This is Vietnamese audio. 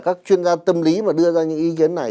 các chuyên gia tâm lý mà đưa ra những ý kiến này